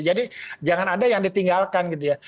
jadi jangan ada yang ditinggalkan gitu ya